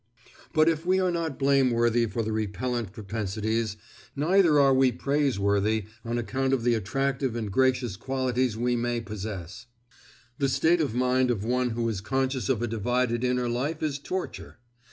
But if we are not blameworthy for the repellant propensities, neither are we praiseworthy on account of the attractive and gracious qualities we may possess. The state of mind of one who is conscious of a divided inner life is torture.